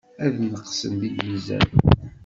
Ad tneqsem deg lmizan.